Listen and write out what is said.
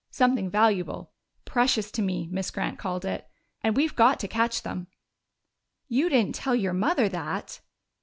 Something valuable, 'precious to me,' Miss Grant called it. And we've got to catch them!" "You didn't tell your mother that?"